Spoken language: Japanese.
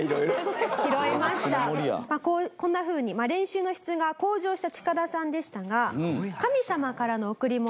こんな風に練習の質が向上したチカダさんでしたが神様からの贈り物